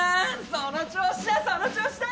その調子だその調子だ！